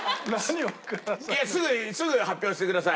すぐ発表してください。